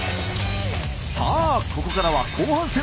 さあここからは後半戦。